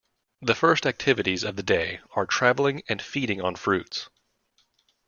The first activities of the day are traveling and feeding on fruits.